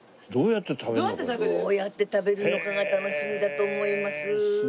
どうやって食べるのかが楽しみだと思います。